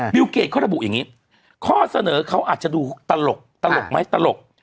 วิวเกดเขาระบุอย่างนี้ข้อเสนอเขาอาจจะดูตลกตลกไหมตลก